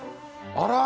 あら！